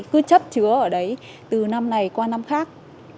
cứ chấp chứa ở đấy từ năm này qua năm khác